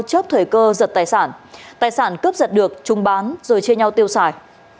chớp thời cơ giật tài sản tài sản cướp giật được trung bán rồi chia nhau tiêu xài